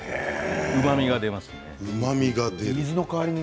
うまみが出ます。